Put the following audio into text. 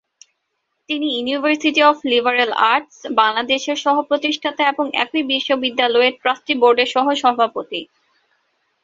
তিনি University of Liberal Arts Bangladesh -এর সহ-প্রতিষ্ঠাতা এবং একই বিশ্ববিদ্যালয়ের ট্রাস্টি বোর্ডের সহ-সভাপতি।